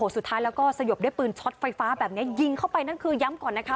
สุดท้ายแล้วก็สยบด้วยปืนช็อตไฟฟ้าแบบนี้ยิงเข้าไปนั่นคือย้ำก่อนนะคะ